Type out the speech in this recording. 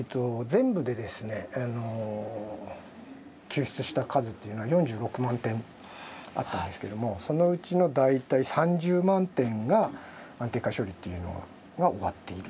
全部でですね救出した数というのは４６万点あったんですけれどもそのうちの大体３０万点が安定化処理というのが終わっていると。